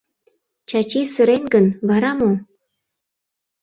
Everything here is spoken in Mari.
Чачи сырен гын, вара мо?